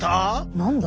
何だ？